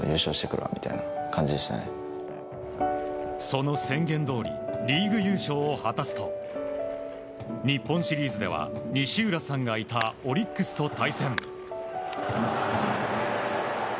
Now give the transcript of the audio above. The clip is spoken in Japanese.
その宣言どおりリーグ優勝を果たすと日本シリーズでは西浦さんがいたオリックスと対戦。